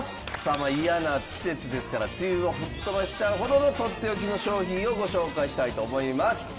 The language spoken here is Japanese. まあ嫌な季節ですから梅雨を吹っ飛ばしちゃうほどのとっておきの商品をご紹介したいと思います。